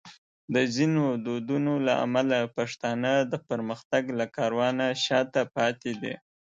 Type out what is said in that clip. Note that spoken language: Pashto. د ځینو دودونو له امله پښتانه د پرمختګ له کاروانه شاته پاتې دي.